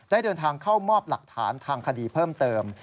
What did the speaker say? ได้เดินทางเข้ามอบหลักฐานทางคดีเพิ่มเติม